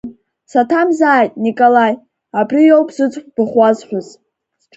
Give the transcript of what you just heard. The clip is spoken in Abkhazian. Саҭамзааит, Николаи, абри иоуп зыӡбахә уасҳәоз?